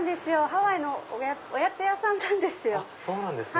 ハワイのおやつ屋さんなんです。